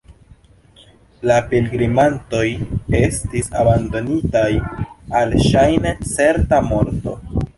La pilgrimantoj estis abandonitaj al ŝajne certa morto.